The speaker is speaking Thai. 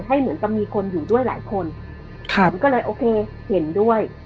เหมือนกับมีคนอยู่ด้วยหลายคนผมก็เลยโอเคเห็นด้วย